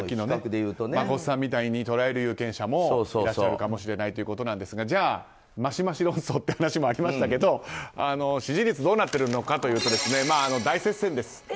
真さんのように捉える有権者の方もいらっしゃるということですがじゃあ、ましまし論争って話もありましたが支持率どうなっているかというと大接戦です。